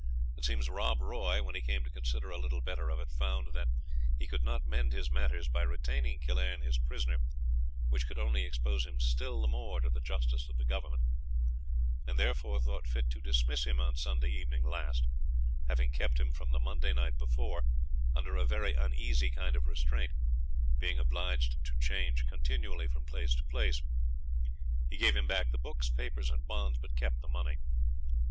It seems Rob Roy, when he came to consider a little better of it, found that, he could not mend his matters by retaining Killearn his prisoner, which could only expose him still the more to the justice of the Government; and therefore thought fit to dismiss him on Sunday evening last, having kept him from the Monday night before, under a very uneasy kind of restraint, being obliged to change continually from place to place. He gave him back the books, papers, and bonds, but kept the money.